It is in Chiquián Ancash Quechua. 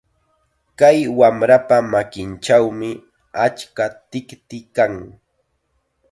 Kay wamrapa makinchawmi achka tikti kan.